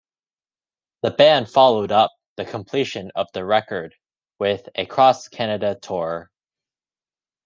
The band followed up the completion of the record with a cross-Canada tour.